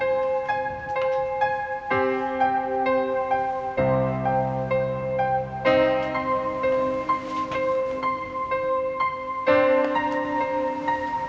jangan jauh jauh minds kerjasama tuhan